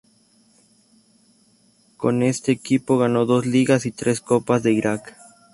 Con este equipo ganó dos Ligas y tres Copas de Irak.